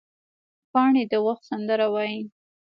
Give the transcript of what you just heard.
پاڼې د وخت سندره وایي